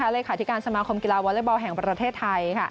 เลขาธิการสมาคมกีฬาวอเล็กบอลแห่งประเทศไทย